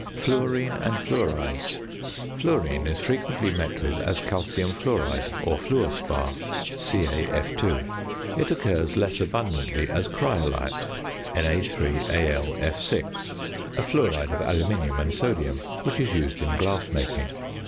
FLUORINE AND FLUORIDES. Fluorine is frequently met with as calcium fluoride or fluor spar (CaF_). It occurs less abundantly as cryolite (Na_AlF_), a fluoride of aluminium and sodium, which is used in glass making.